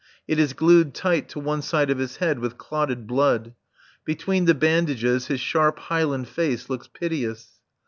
It is glued tight to one side of his head with clotted blood. Between the bandages his sharp, Highland face looks piteous.